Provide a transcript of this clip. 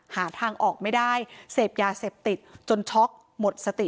หาทางออกไม่ได้เสพยาเสพติดจนช็อกหมดสติ